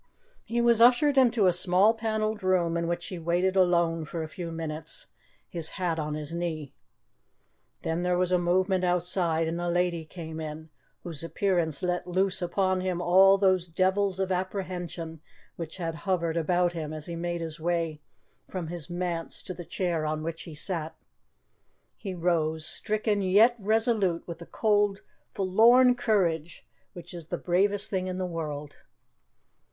He was ushered into a small panelled room in which he waited alone for a few minutes, his hat on his knee. Then there was a movement outside, and a lady came in, whose appearance let loose upon him all those devils of apprehension which had hovered about him as he made his way from his manse to the chair on which he sat. He rose, stricken yet resolute, with the cold forlorn courage which is the bravest thing in the world.